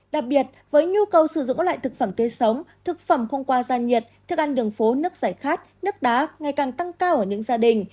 đặc biệt với nhu cầu sử dụng loại thực phẩm tươi sống thực phẩm không qua gian nhiệt thức ăn đường phố nước giải khát nước đá ngày càng tăng cao ở những gia đình